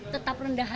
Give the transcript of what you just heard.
tetap rendah hati